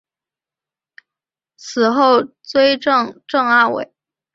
死后追赠正二位。